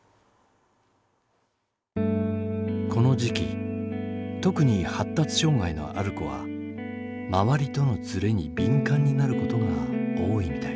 この時期特に発達障害のある子は周りとのズレに敏感になることが多いみたい。